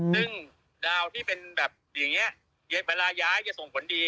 ซึ่งดาวที่เป็นแบบอย่างนี้เวลาย้ายจะส่งผลดี